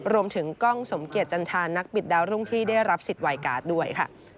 รวมถึงกล้องสมเกียจจันทานักบิดดาวรุ่งที่ได้รับสิทธิวายการ์ดด้วยค่ะ